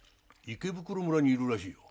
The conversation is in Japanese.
池袋村に居るらしいよ。